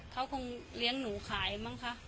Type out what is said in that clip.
เขาคงเลี้ยงหนูขายมั้งคะ